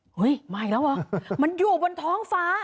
เฮ้ยมาอีกแล้วเหรอมันอยู่บนท้องฟ้า